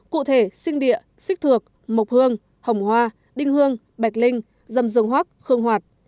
cụ thể sinh địa xích thược mộc hương hồng hoa đinh hương bạch linh dâm dông hoác khương hoạt